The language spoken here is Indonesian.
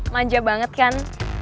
maja banget kan